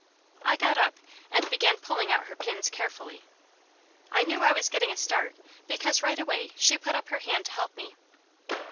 I got up, and began pulling out her pins carefully. I knew I was getting a start because right away she put up her hand to help me.